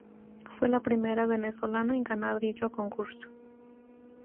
Fue la primera venezolana en ganar dicho concurso.